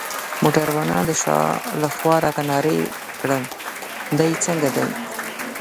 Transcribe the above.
موټروان د شا لخوا راته نارې کړل: دی څنګه دی؟